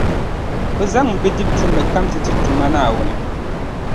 bɛ zaŋmi bidib’ tuuli kam ti ti Duuma Naawuni.